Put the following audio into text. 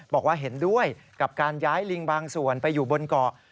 บอกว่าเห็นด้วยกับการย้ายลิงบางส่วนไปอยู่บนเกาะ